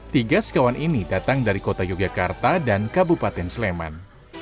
tiga sekawan ini datang dari kota yogyakarta dan kabupaten sleman